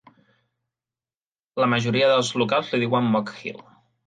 La majoria dels locals li diuen Moke Hill.